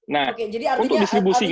nah untuk distribusinya